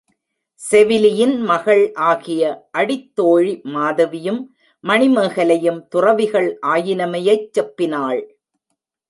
செவிலியின் மகள் ஆகிய அடித்தோழி மாதவியும் மணிமேகலையும் துறவிகள் ஆயினமையைச் செப்பினாள்.